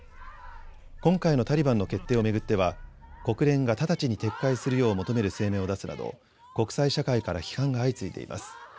今回のタリバンの決定を巡っては国連が直ちに撤回するよう求める声明を出すなど国際社会から批判が相次いでいます。